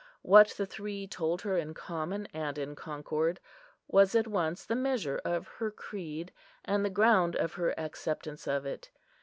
What the three told her in common and in concord was at once the measure of her creed and the ground of her acceptance of it.